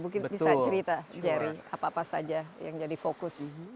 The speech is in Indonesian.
mungkin bisa cerita jerry apa apa saja yang jadi fokus